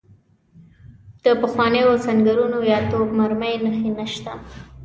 د پخوانیو سنګرونو یا توپ مرمۍ نښې نشته.